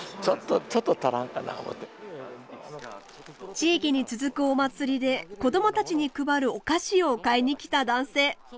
地域に続くお祭りで子どもたちに配るお菓子を買いに来た男性。